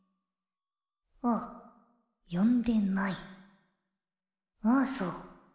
ああよんでないああそう。